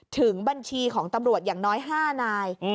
ถึงบัญชีของตำรวจอย่างน้อย๕นาย